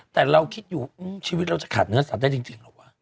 แต่เราคิดอยู่ชีวิตเราจะขาดเนื้อสัตว์ได้จริงเหรอวะ